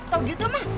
tau gitu mak